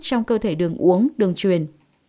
trong cơ thể đường uống đường truyền